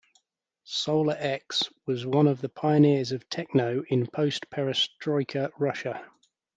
SolarX was one of the pioneers of techno in post-Perestroika Russia.